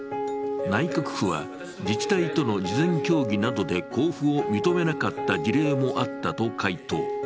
内閣府は自治体との事前協議などで交付を認めなかった事例もあったと回答。